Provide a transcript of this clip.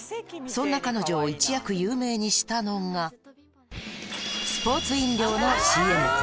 そんな彼女を一躍有名にしたのが、スポーツ飲料のＣＭ。